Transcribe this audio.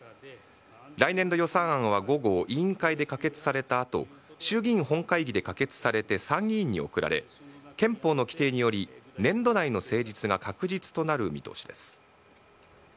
来年度予算案は午後、委員会で可決されたあと、衆議院本会議で可決されて参議院に送られ、憲法の規定により、年度内の成立が確実となる見通しです。